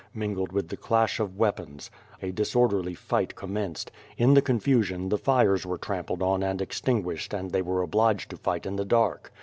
mingled with the clash of weapons. A disorderly fight commenced. In the con fusion, the fires were trampled on and extinguished and they were obliged to fight in the dark.